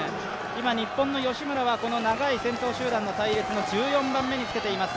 今、日本の吉村は長い先頭集団の隊列の１４番目につけています。